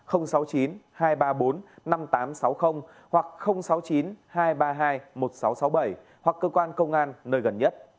hoặc sáu mươi chín hai trăm ba mươi hai một nghìn sáu trăm sáu mươi bảy hoặc cơ quan công an nơi gần nhất